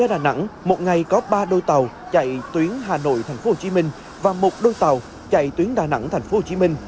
đà nẵng một ngày có ba đôi tàu chạy tuyến hà nội tp hcm và một đôi tàu chạy tuyến đà nẵng tp hcm